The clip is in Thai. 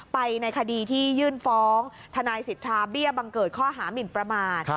ในคดีที่ยื่นฟ้องทนายสิทธาเบี้ยบังเกิดข้อหามินประมาท